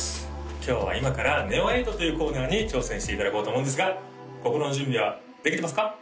今日は今からＮＥＯ８というコーナーに挑戦していただこうと思うんですが心の準備はできてますか？